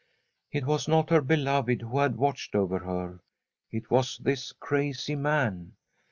It was not her beloved who had watched over her ; it was this crazy man.